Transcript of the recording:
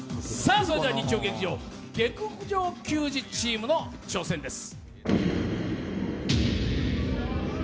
日曜劇場「下剋上球児」チームの挑戦です。